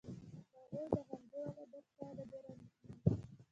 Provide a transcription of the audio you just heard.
هغوی د همدې ولادت په اړه ډېر اندېښمن وو.